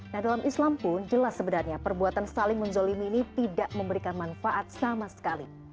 nah dalam islam pun jelas sebenarnya perbuatan saling menzalimi ini tidak memberikan manfaat sama sekali